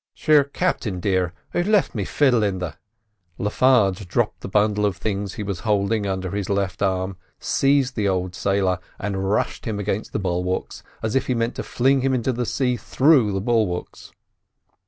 "Sure, Captain dear, I've left me fiddle in the——" Le Farge dropped the bundle of things he was holding under his left arm, seized the old sailor and rushed him against the bulwarks, as if he meant to fling him into the sea through the bulwarks.